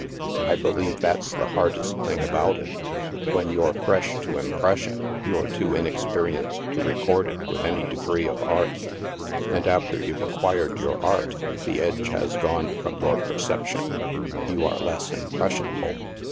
I believe that's the hardest thing about it: when you're fresh to impression, you're too inexperienced to record it with any degree of art ; and after you've acquired your art, the edge has gone from your per ception — you are less impressionable.